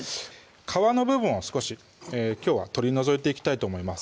皮の部分を少しきょうは取り除いていきたいと思います